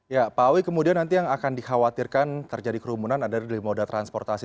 ya pak awi kemudian nanti yang akan dikhawatirkan terjadi kerumunan adalah dari moda transportasi